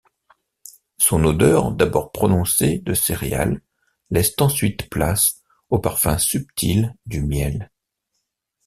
Son odeur d’abord prononcée de céréales laisse ensuite place au parfum subtil du miel.